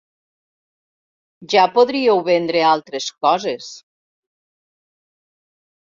Ja podríeu vendre altres coses.